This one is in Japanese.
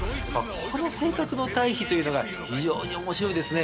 この性格の対比というのが非常に面白いですね。